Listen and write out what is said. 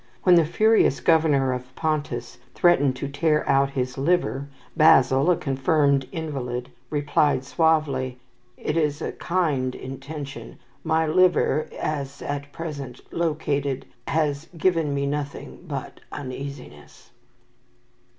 When the furious governor of Pontus threatened to tear out his liver, Basil, a confirmed invalid, replied suavely, "It is a kind intention. My liver, as at present located, has given me nothing but uneasiness."